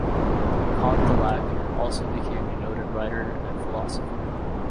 Condillac also became a noted writer and philosopher.